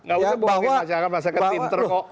nggak usah bohongin masyarakat masyarakat pinter kok